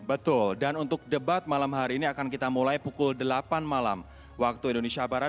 betul dan untuk debat malam hari ini akan kita mulai pukul delapan malam waktu indonesia barat